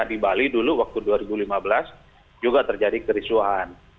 di bali dulu waktu dua ribu lima belas juga terjadi kericuhan